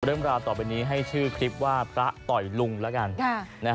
เรื่องราวต่อไปนี้ให้ชื่อคลิปว่าพระต่อยลุงแล้วกัน